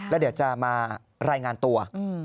แล้วเดี๋ยวจะมารายงานตัว